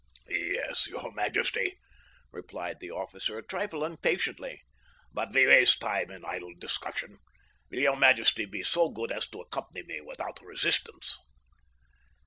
"Yes, your majesty," replied the officer, a trifle impatiently. "But we waste time in idle discussion. Will your majesty be so good as to accompany me without resistance?"